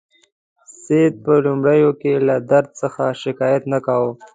سید په لومړیو کې له درد څخه شکایت نه کاوه.